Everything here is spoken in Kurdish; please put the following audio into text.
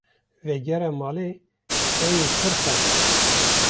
Vegera malê ew ê pir xweş be.